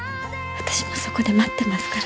私もそこで待ってますから。